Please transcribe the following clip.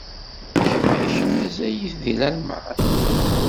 Gma-k mazal-it deg Lalman?